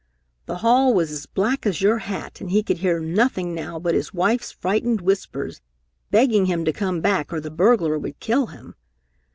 The hall was as black as your hat and he could hear nothing now but his wife's frightened whispers, begging him to come back or the burglar would kill him.